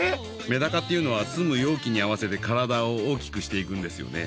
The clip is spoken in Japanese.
メダカっていうのは住む容器に合わせて体を大きくしていくんですよね。